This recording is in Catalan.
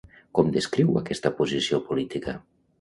Com descriu aquesta posició política?